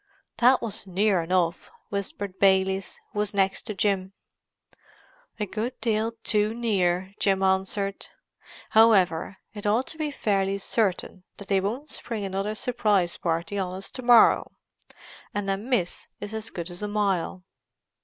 "That was near enough," whispered Baylis, who was next to Jim. "A good deal too near," Jim answered. "However, it ought to be fairly certain that they won't spring another surprise party on us to morrow. And a miss is as good as a mile."